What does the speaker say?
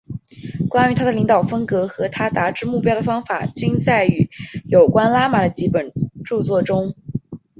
关于他的领导风格和他达至目标的方法均载于有关拉玛的几本着作中。